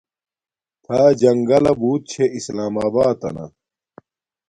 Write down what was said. تھا جنگلہ بوت چھے اسلام آباتنا